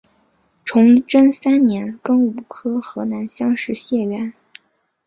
崇祯三年庚午科河南乡试解元。